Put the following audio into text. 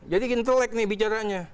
jadi ini telek nih bicaranya